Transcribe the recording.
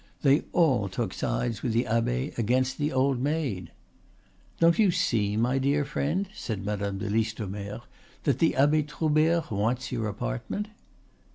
They all took sides with the abbe against the old maid. "Don't you see, my dear friend," said Madame de Listomere, "that the Abbe Troubert wants your apartment?"